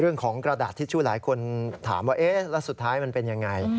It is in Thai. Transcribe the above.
กระดาษทิชชู่หลายคนถามว่าเอ๊ะแล้วสุดท้ายมันเป็นยังไง